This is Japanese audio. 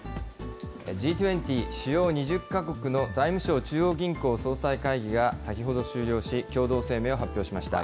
Ｇ２０・主要２０か国の財務相・中央銀行総裁会議が先ほど終了し、共同声明を発表しました。